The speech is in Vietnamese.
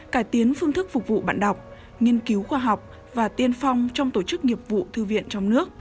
cải tiến phương thức phục vụ bạn đọc nghiên cứu khoa học và tiên phong trong tổ chức nghiệp vụ thư viện trong nước